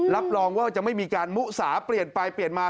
รับรองว่าจะไม่มีการมุสาเปลี่ยนไปเปลี่ยนมา